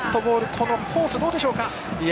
このコース、どうでしょうか。